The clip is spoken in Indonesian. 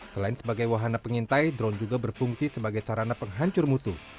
selain sebagai wahana pengintai drone juga berfungsi sebagai sarana penghancur musuh